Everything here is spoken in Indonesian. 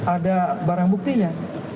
ada barang buktinya